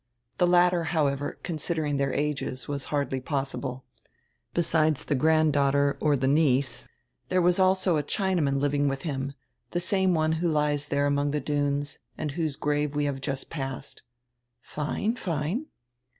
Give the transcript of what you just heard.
The latter, however, considering tiieir ages, was hardly possible. Beside die grand daughter or die niece, there was also a Chinaman living widi him, die same one who lies diere among die dunes and whose grave we have just passed." "Fine, fine."